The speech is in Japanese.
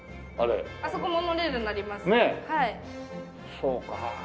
そうか。